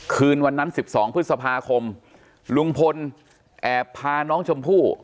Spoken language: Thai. คืนวันนั้น๑๒พฤษภาคมลุงพลแอบพาน้องชมพู่